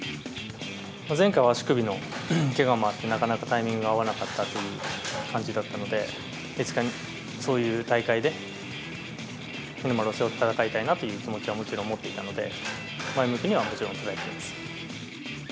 前回は足首のけがもあって、なかなかタイミングが合わなかったという感じだったので、いつかそういう大会で、日の丸を背負って戦いたいなという気持ちはもちろん持っていたので、前向きにはもちろん捉えています。